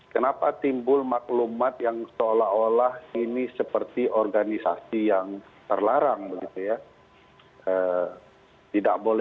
kenapa timbul maklumat yang seolah olah ini seperti organisasi yang terlarang begitu ya